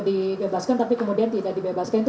dibebaskan tapi kemudian tidak dibebaskan itu